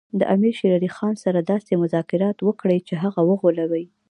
د امیر شېر علي خان سره داسې مذاکرات وکړي چې هغه وغولوي.